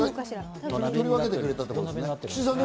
取り分けてくれたってことね。